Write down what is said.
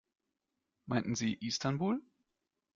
Meinten Sie Istanbul?